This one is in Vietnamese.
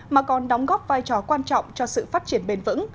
mà còn đóng góp vai trò quan trọng cho sự phát triển bền vững